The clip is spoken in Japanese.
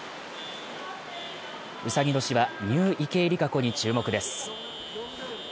うさぎ年はニュー池江璃花子に注目です。